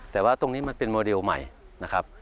แต่ว่าตรงนี้มันเป็นโมเดลใหม่นะครับ